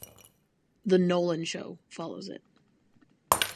"The Nolan Show" follows it.